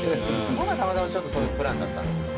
今回たまたまそういうプランだったんですけど。